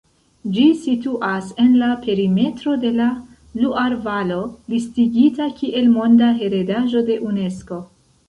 Ĝi situas en la perimetro de la Luar-valo, listigita kiel Monda heredaĵo de Unesko.